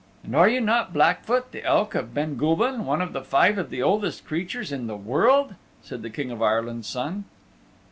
"And are you not Blackfoot, the Elk of Ben Gulban, one of the five of the oldest creatures in the world?" said the King of Ireland's Son.